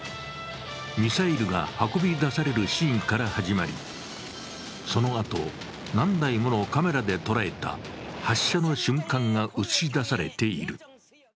ミサイルが運び出されるシーンから始まり、そのあと何台ものカメラで捉えた発射の瞬間が映し出されている。